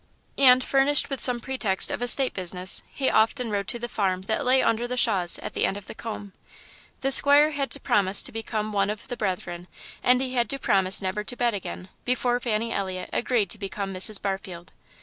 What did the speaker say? And, furnished with some pretext of estate business, he often rode to the farm that lay under the shaws at the end of the coombe. The squire had to promise to become one of the Brethren and he had to promise never to bet again, before Fanny Elliot agreed to become Mrs. Barfield.